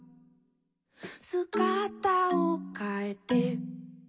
「すがたをかえて」